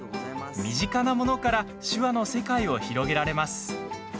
身近なものから手話の世界を広げられます。